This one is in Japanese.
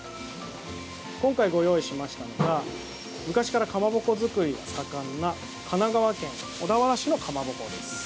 今回ご用意しましたのは昔からかまぼこ作りが盛んな神奈川県小田原市のかまぼこです。